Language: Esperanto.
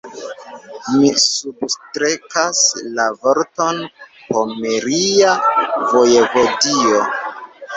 Mi substrekas la vorton "pomeria vojevodio".